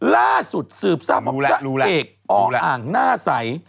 ล่าสุดสืบทราบว่าพระเอกออ่างหน้าใส